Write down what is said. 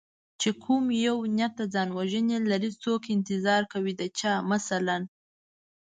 چې کوم یو نیت د ځان وژنې لري څو انتظار کوي د چا مثلا